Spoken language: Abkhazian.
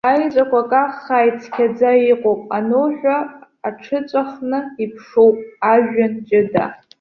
Аеҵәақәа каххаа, ицқьаӡа иҟоуп ануҳәо, аҽыҵәахны иԥшуп ажәҩан ҷыда.